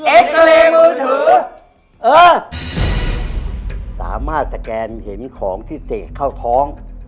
เอ็กซาเรย์มือถือเออสามารถสแกนเห็นของที่เสกเข้าท้อง